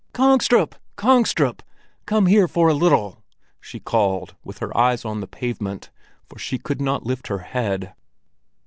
"Kongstrup, Kongstrup! Come here for a little!" she called, with her eyes on the pavement, for she could not lift her head.